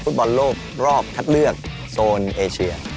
ฟุตบอลโลกรอบคัดเลือกโซนเอเชีย